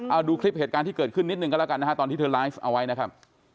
เอาดูคลิปเหตุการณ์ที่เกิดขึ้นนิดหนึ่งก็แล้วกันนะฮะตอนที่เธอไลฟ์เอาไว้นะครับ